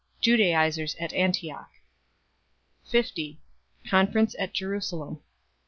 Judaizers at Aniioch. 50 Conference at Jerusalem.